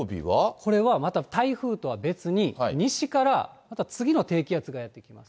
これは台風と別に、西からまた次の低気圧がやって来ます。